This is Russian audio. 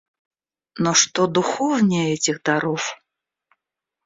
Но что духовнее этих даров?